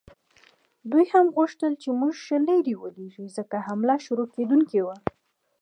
دوی هم غوښتل چې موږ ښه لرې ولیږي، ځکه حمله شروع کېدونکې وه.